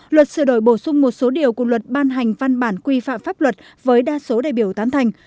luật sửa đổi bổ sung một số điều của luật ban hành văn bản quy phạm pháp luật với đa số đại biểu tán thành